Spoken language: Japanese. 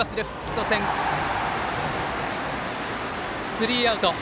スリーアウト。